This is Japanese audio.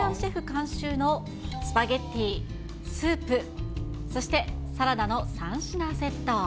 監修のスパゲティ、スープ、そしてサラダの３品セット。